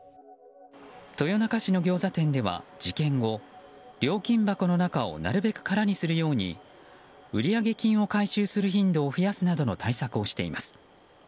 豊中市のギョーザ店では事件後料金箱の中をなるべく空にするように売上金を回収する頻度を増やすなどの対策をしています。